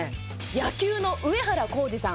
野球の上原浩治さん